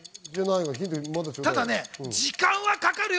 ただ時間はかかるよ。